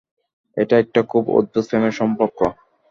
এটা একটা খুব অদ্ভুত প্রেমের সম্পর্ক।